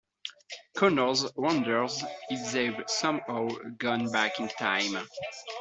Connors wonders if they've somehow gone back in time.